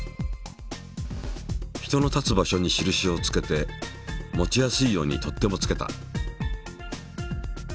人の立つ場所に印をつけて持ちやすいように取っ手もつけた。